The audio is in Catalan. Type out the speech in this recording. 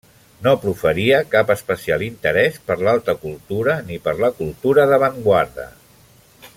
No proferia cap especial interès per l'alta cultura ni per la cultura d'avantguarda.